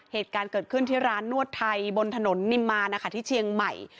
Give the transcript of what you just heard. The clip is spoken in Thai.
เหตุการณ์เกิดขึ้นที่ร้านนวดไทยบนถนนนิมมานะคะที่เชียงใหม่